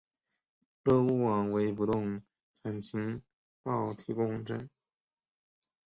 乐屋网为不动产情报提供网站。